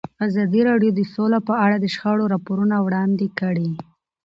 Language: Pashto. ازادي راډیو د سوله په اړه د شخړو راپورونه وړاندې کړي.